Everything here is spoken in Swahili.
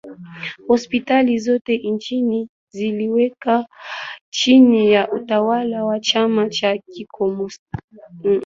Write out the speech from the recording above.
Hospitali zote nchini ziliweka chini ya utawala wa chama cha kikomunist